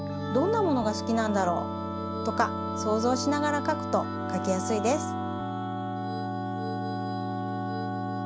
どんなものがすきなんだろう？とかそうぞうしながら描くと描きやすいです。